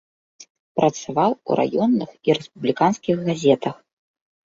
Працаваў у раённых і рэспубліканскіх газетах.